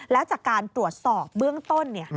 แล้วจากการตรวจสอบเบื้องต้น